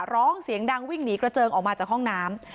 ร้องเสียงดังวิ่งหนีกระเจิงออกมาจากห้องน้ำ